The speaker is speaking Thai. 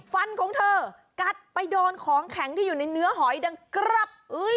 ฟันของเธอกัดไปโดนของแข็งที่อยู่ในเนื้อหอยดังกลับ